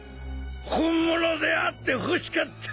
本物であってほしかった。